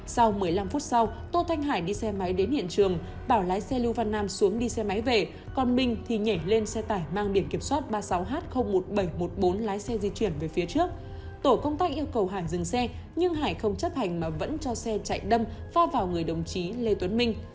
sau một mươi năm phút sau tô thanh hải đi xe máy đến hiện trường bảo lái xe lưu văn nam xuống đi xe máy về còn minh thì nhảy lên xe tải mang biển kiểm soát ba mươi sáu h một nghìn bảy trăm một mươi bốn lái xe di chuyển về phía trước tổ công tác yêu cầu hải dừng xe nhưng hải không chấp hành mà vẫn cho xe chạy đâm pha vào người đồng chí lê tuấn minh